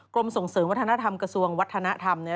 กรมส่งเสริมวัฒนธรรมกระทรวงวัฒนธรรม